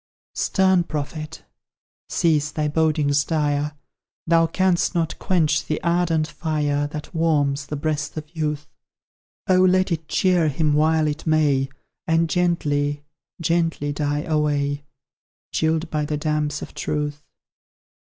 Stern prophet! Cease thy bodings dire Thou canst not quench the ardent fire That warms the breast of youth. Oh, let it cheer him while it may, And gently, gently die away Chilled by the damps of truth!